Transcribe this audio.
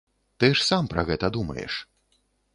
Ты ж сам пра гэта думаеш.